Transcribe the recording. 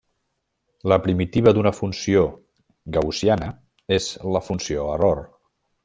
La primitiva d'una funció gaussiana és la funció error.